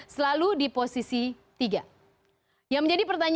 selalu di posisi tiga